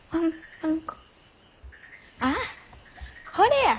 あっこれや。